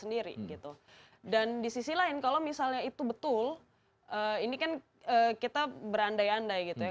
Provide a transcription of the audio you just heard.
dan di sisi lain kalau misalnya itu betul ini kan kita berandai andai gitu ya